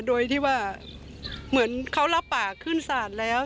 โดยที่ว่าเหมือนเขารับปากขึ้นศาลแล้ว